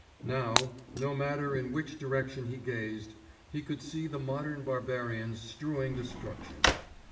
Now, no matter in which direction he gazed, he could see the modern barbarians strewing destruction.